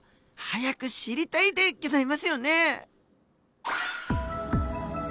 早く知りたいでギョざいますよねえ。